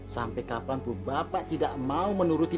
sampai kapan bu bapak tidak mau menuruti